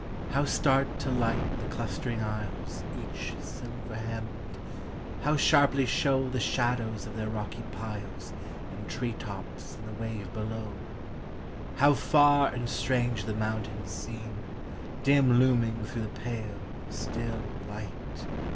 How start to light the clustering isles, Each silver hemmed! How sharply showThe shadows of their rocky piles, And tree tops in the wave below! How far and strange the mountains seem, Dim looming through the pale, still light!